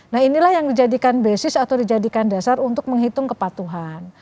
nah inilah yang dijadikan basis atau dijadikan dasar untuk menghitung kepatuhan